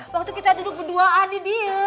waktu kita duduk berduaan nih dia